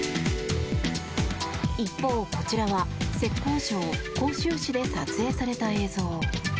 一方、こちらは浙江省杭州市で撮影された映像。